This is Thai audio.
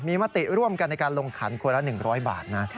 มีมติร่วมกันในการลงขันคนละ๑๐๐บาทนะ